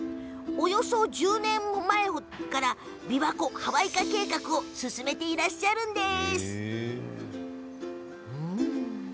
およそ１０年から琵琶湖ハワイ化計画を進めていらっしゃるんです。